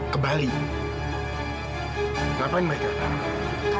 ke bali ngapain mereka